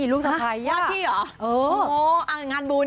ลูกสไฟล์